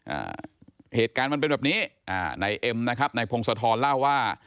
อ่าเหตุการณ์มันเป็นแบบนี้อ่านายเอ็มนะครับนายพงศธรเล่าว่า